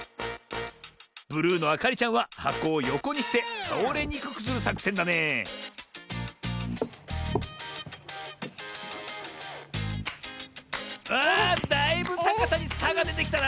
ブルーのあかりちゃんははこをよこにしてたおれにくくするさくせんだねあだいぶたかさにさがでてきたな。